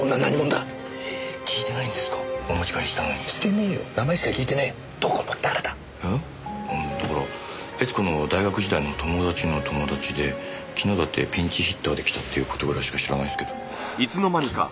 だから悦子の大学時代の友達の友達で昨日だってピンチヒッターで来たっていう事ぐらいしか知らないですけど。